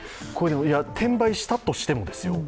転売したとしてもですよ